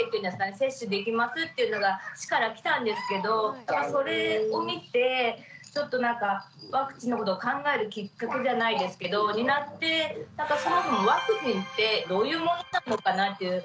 接種できますっていうのが市から来たんですけどそれを見てちょっとなんかワクチンのことを考えるきっかけじゃないですけどになってなんかそもそもワクチンってどういうものなのかなっていう。